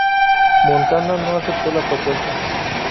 Montana no aceptó la propuesta.